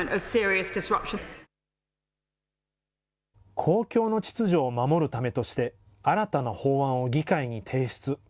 公共の秩序を守るためとして、新たな法案を議会に提出。